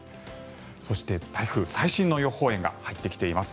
そして、台風の最新の予報円が入ってきています。